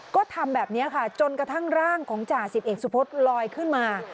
ก็ทำแบบนี้ค่ะจนกระทั่งร่างของจ่าสิบเอกสุพธลอยขึ้นมา